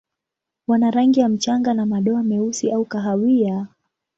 Wana rangi ya mchanga na madoa meusi au kahawia.